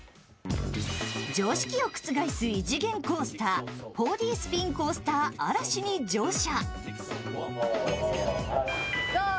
常識を覆す異次元コースター、４Ｄスピンコースター嵐に乗車。